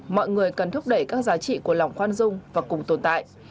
mọi người cần thúc đẩy các giá trị của lòng khoan dung và cùng tồn tại